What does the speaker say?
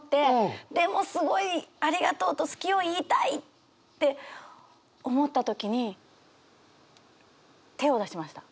でもすごい「ありがとう」と「好き」を言いたいって思った時に手を出しました。